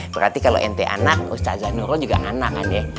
berarti kalau ente anak ustadz januyo juga anak kan ya